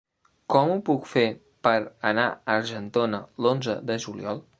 Com ho puc fer per anar a Argentona l'onze de juliol?